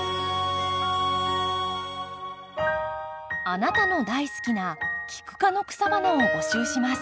あなたの大好きなキク科の草花を募集します。